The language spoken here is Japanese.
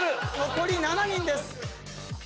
残り７人です。